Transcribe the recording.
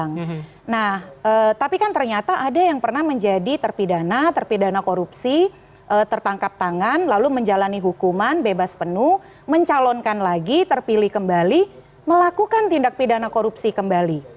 nah tapi kan ternyata ada yang pernah menjadi terpidana terpidana korupsi tertangkap tangan lalu menjalani hukuman bebas penuh mencalonkan lagi terpilih kembali melakukan tindak pidana korupsi kembali